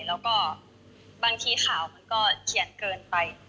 แล้วก็บางทีข่าวมันก็เขียนเกินไป